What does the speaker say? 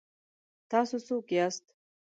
ـ تاسو څوک یاست؟